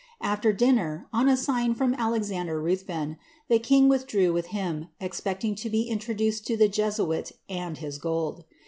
AAer dinner, on a sign from Alexander Ruthven, the king withdrew with him, expecting to be introduced to the Jesuit and his gold.